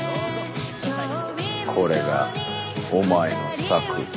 これがお前の策。